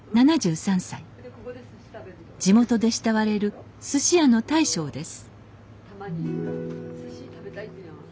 地元で慕われるすし屋の大将です